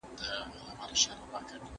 ایا دا ماشوم به کله ارام شي؟